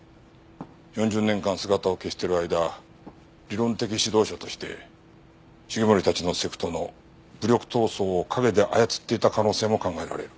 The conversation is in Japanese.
４０年間姿を消している間理論的指導者として繁森たちのセクトの武力闘争を陰で操っていた可能性も考えられる。